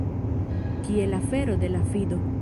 Kiel afero de la fido!